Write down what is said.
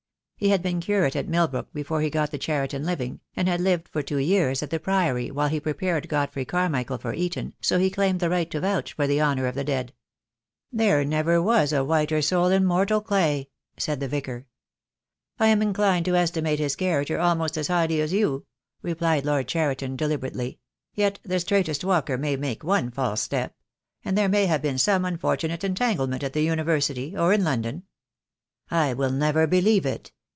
He had been curate at Milbrook before he got the Cheriton living, and had lived for two years at the Priory while he prepared Godfrey Carmichael for Eton, so he claimed the right to vouch for the honour of the dead. "There never was a whiter soul in mortal clay," said the Vicar. "I am inclined to estimate his character almost as highly as you," replied Lord Cheriton, deliberately, "yet the straightest walker may make one false step — and there may have been some unfortunate entanglement at the University or in London " "I will never believe it.